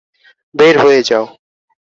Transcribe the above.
বের হয়ে যাও।